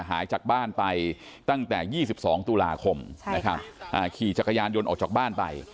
หายจากบ้านไปตั้งแต่ยี่สิบสองตุลาคมใช่ค่ะอ่าขี่จักรยานยนต์ออกจากบ้านไป